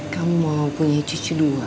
kamu mau punya cucu dua